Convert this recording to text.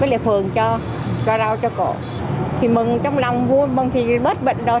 với lại phường cho cho rào cho cổ thì mừng trong lòng vui mừng thì bớt bình rồi